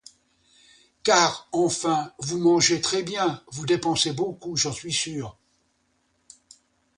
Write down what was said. Car, enfin, vous mangez très bien, vous dépensez beaucoup, j'en suis sûre.